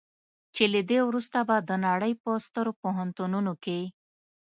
چې له دې وروسته به د نړۍ په سترو پوهنتونونو کې.